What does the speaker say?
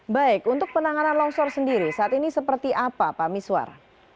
baik untuk penanganan longsor sendiri saat ini seperti apa pak miswar